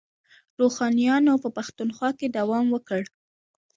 روښانیانو په پښتونخوا کې دوام وکړ.